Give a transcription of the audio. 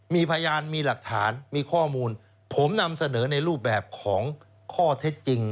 มีพยานมีหลักฐานมีข้อมูลผมนำเสนอในรูปแบบของข้อเท็จจริง